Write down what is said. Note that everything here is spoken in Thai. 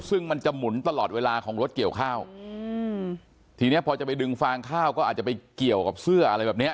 ซึ่งมันจะหมุนตลอดเวลาของรถเกี่ยวข้าวอืมทีเนี้ยพอจะไปดึงฟางข้าวก็อาจจะไปเกี่ยวกับเสื้ออะไรแบบเนี้ย